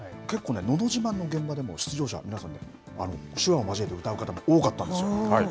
のど自慢の現場でも、出場者、皆さんね、手話を交えて歌う方も多かったですよ。